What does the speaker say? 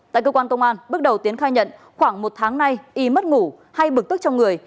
tại cơ quan công an bước đầu tiến khai nhận khoảng một tháng nay y mất ngủ hay bực tức trong người